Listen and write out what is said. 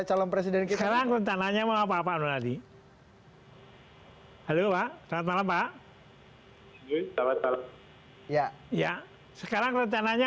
calon presiden kita nanya mau apa apa tadi halo halo pak sangat malam pak ya ya sekarang rencananya